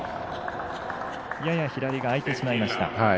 やや左が空いてしまいました。